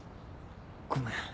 ごめん。